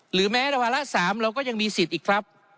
หรือแม้ในวาระ๓เราก็ยังมีสิทธิ์อีกครับ